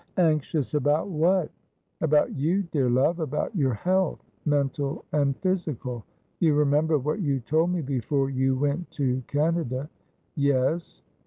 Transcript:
' Anxious about what ?'' About you, dear love ; about your health, mental and physical. You remember what you told me before you went to Canada.' ' Yes.'